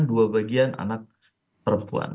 dua bagian anak perempuan